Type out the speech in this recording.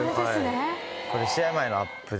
これ試合前のアップで。